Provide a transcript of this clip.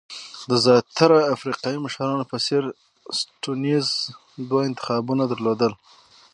د زیاترو افریقایي مشرانو په څېر سټیونز دوه انتخابونه درلودل.